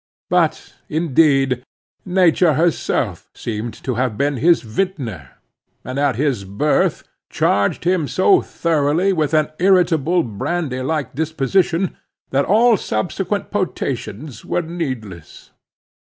But indeed, nature herself seemed to have been his vintner, and at his birth charged him so thoroughly with an irritable, brandy like disposition, that all subsequent potations were needless.